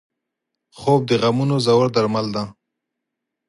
خوب د غمونو ژور درمل دی